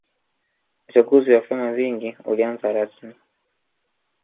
uchaguzi wa vyama vingi ulianza rasimi